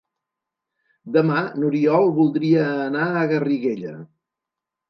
Demà n'Oriol voldria anar a Garriguella.